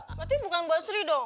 berarti bukan buat sri dong